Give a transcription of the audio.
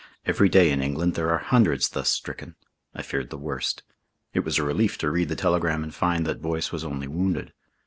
Every day in England there are hundreds thus stricken. I feared the worst. It was a relief to read the telegram and find that Boyce was only wounded.